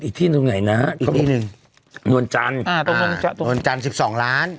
อีกที่ตรงไหนนะฮะอีกที่นึงนวลจันทร์อ่าตรงนวลจันทร์นวลจันทร์สิบสองล้าน